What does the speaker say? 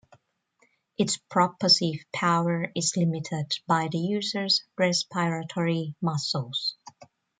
Its propulsive power is limited by the user's respiratory muscles.